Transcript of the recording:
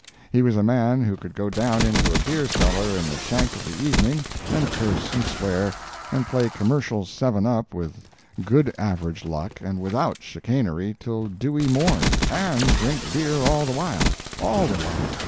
He was a man who could go down into a beer cellar in the shank of the evening, and curse and swear, and play commercial seven up with good average luck and without chicanery till dewy morn, and drink beer all the while—all the while.